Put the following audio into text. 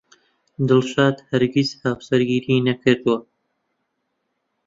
دڵشاد هەرگیز هاوسەرگیری نەکردەوە.